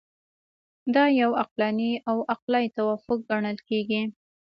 دا یو عقلاني او عقلایي توافق ګڼل کیږي.